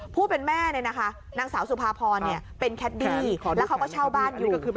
ผู้เป็นแม่เนี่ยนะคะนางสาวสุภาพรเนี่ยเป็นแคดดี้แล้วเขาก็เช่าบ้านอยู่ก็คือ